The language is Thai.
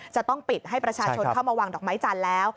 จะต้องปิดให้ประชาชนเข้ามาวางดอกไม้จันทร์แล้ว